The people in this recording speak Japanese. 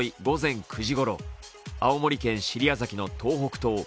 午前９時ごろ、青森県尻屋崎の東北東